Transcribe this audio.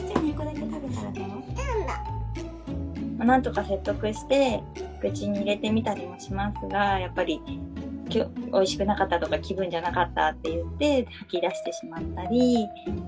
なんとか説得して口に入れてみたりもしますがやっぱりおいしくなかったとか気分じゃなかったと言って吐き出してしまったり。